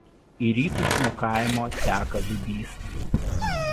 Į rytus nuo kaimo teka Dubysa.